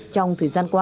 trong thời gian qua